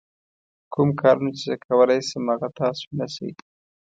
کوم کارونه چې زه کولای شم هغه تاسو نه شئ.